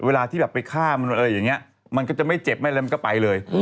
เวลาที่แบบไปฆ่ามันอะไรอย่างนี้มันก็จะไม่เจ็บไม่อะไรมันก็ไปเลย